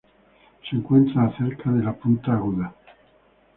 Se encuentra cerca de la punta Aguda.